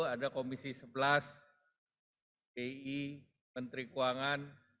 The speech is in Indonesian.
ada komisi sebelas bi menteri keuangan